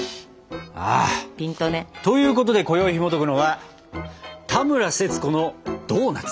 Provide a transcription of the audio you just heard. あということでこよいひもとくのは「田村セツコのドーナツ」。